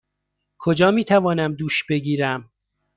کجا می توانم دوش بگیرم؟